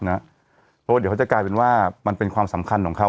เพราะว่าเดี๋ยวเขาจะกลายเป็นว่ามันเป็นความสำคัญของเขา